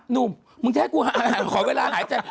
หนุ่มมึงจะให้กูขอเวลาหายใจ